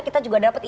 kita juga dapat tahu